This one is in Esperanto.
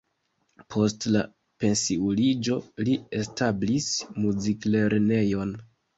Post la pensiuliĝo li establis muziklernejon.